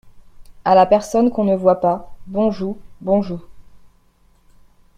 A la personne qu’on ne voit pas Bonjou… bonjou.